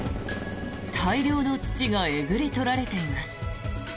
大量の土がえぐり取られています。